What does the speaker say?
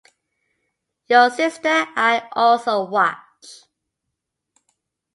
Your sister I also watched.